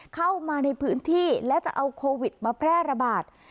เข้ามาในพื้นที่และจะเอาโควิดมาแพร่ระบาด